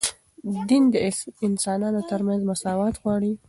دین د انسانانو ترمنځ مساوات غواړي